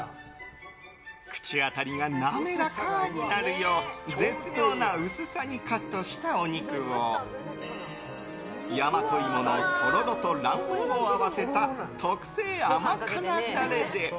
口当たりが滑らかになるよう絶妙な薄さにカットしたお肉を大和芋のとろろと卵黄を合わせた特製甘辛ダレで。